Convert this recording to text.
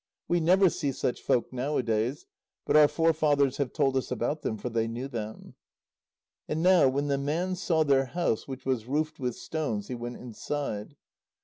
We never see such folk nowadays, but our forefathers have told us about them, for they knew them. And now when the man saw their house, which was roofed with stones, he went inside.